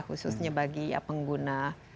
khususnya bagi pengguna